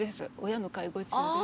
親の介護中です。